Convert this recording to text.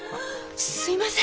すいません。